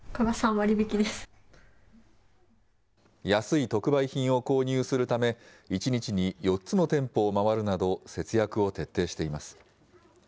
安い特売品を購入するため、１日に４つの店舗を回るなど、節約を徹底しています。